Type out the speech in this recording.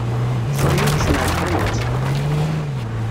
Sami yekcem ar tḥanutt.